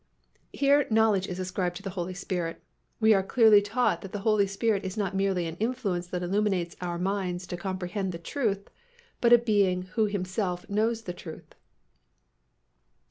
Here knowledge is ascribed to the Holy Spirit. We are clearly taught that the Holy Spirit is not merely an influence that illuminates our minds to comprehend the truth but a Being who Himself knows the truth.